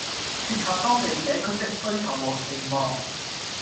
切合當地社區的需求和期望